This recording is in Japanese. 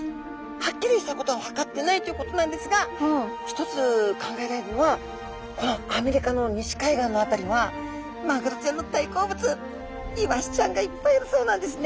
はっきりしたことは分かってないということなんですが一つ考えられるのはこのアメリカの西海岸の辺りはマグロちゃんの大好物イワシちゃんがいっぱいいるそうなんですね。